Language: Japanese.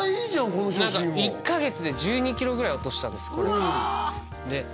この写真も１カ月で１２キロぐらい落としたんです